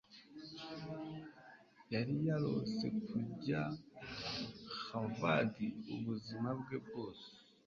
yari yarose kujya Harvard ubuzima bwe bwose.